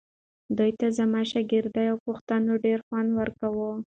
دوی ته زما شاګردۍ او پوښتنو ډېر خوند ورکاوو.